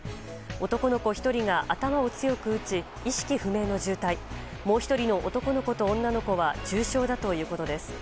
男の子１人が頭を強く打ち意識不明の重体もう１人の男の子と女の子は重傷だということです。